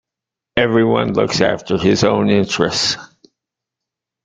Everyone looks after his own interests.